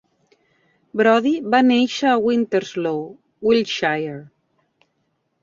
Brodie va néixer a Winterslow, Wiltshire.